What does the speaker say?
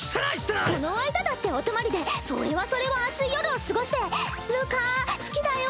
この間だってお泊まりでそれはそれは熱い夜を過ごして「るか好きだよ。